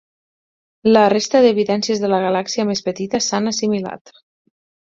La resta d'evidències de la galàxia més petita s'han assimilat.